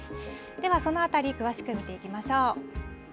では、そのあたり、詳しく見ていきましょう。